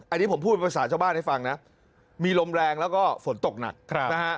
อันนี้ผมพูดภาษาชาวบ้านให้ฟังนะมีลมแรงแล้วก็ฝนตกหนักนะฮะ